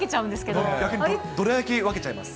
どら焼き分けちゃいます。